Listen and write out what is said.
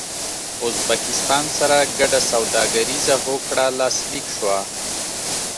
ازبکستان سره ګډه سوداګريزه هوکړه لاسلیک شوه